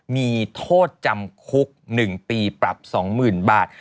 มีโฆษณ์จำคลุกหนึ่งปีปรับสองหมื่นบาท